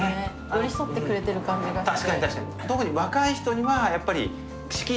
寄り添ってくれている感じがして。